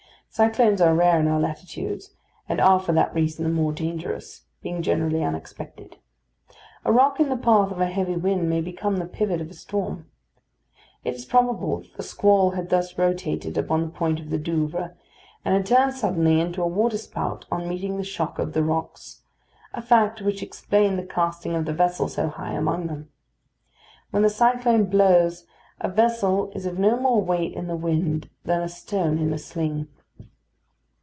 Cyclones are rare in our latitudes, and are, for that reason, the more dangerous, being generally unexpected. A rock in the path of a heavy wind may become the pivot of a storm. It is probable that the squall had thus rotated upon the point of the Douvres, and had turned suddenly into a waterspout on meeting the shock of the rocks, a fact which explained the casting of the vessel so high among them. When the cyclone blows, a vessel is of no more weight in the wind than a stone in a sling.